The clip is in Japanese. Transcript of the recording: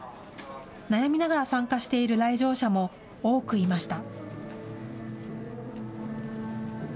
悩みながら参加している来場者も多くいました。